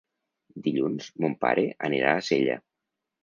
Dilluns mon pare anirà a Sella.